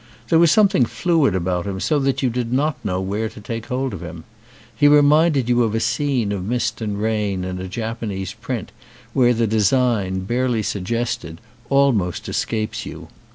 There was something fluid about him so that you did not know where to take hold of him. He reminded you of a scene of mist and rain in a Japanese print where the design, barely suggested, almost escapes you.